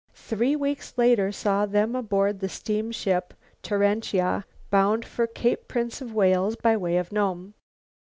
Three weeks later saw them aboard the steamship Torentia bound for Cape Prince of Wales by way of Nome.